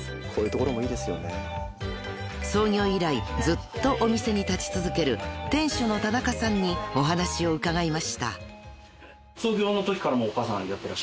［創業以来ずっとお店に立ち続ける店主の田中さんにお話を伺いました］